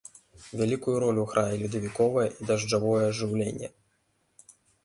Вялікую ролю грае ледавіковае і дажджавое жыўленне.